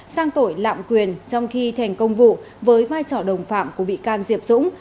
sang tội lạm quyền trong khi thành công vụ với vai trò đồng phạm của bị can diệp dũng